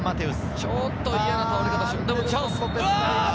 ちょっと嫌な倒れ方。